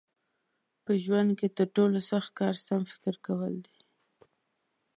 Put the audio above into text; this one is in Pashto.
په ژوند کې تر ټولو سخت کار سم فکر کول دي.